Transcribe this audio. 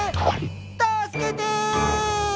助けて！